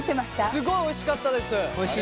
すごいおいしかったです。